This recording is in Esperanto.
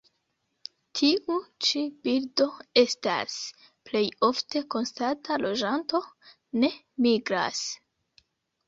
Tiu ĉi birdo estas plej ofte konstanta loĝanto; ne migras.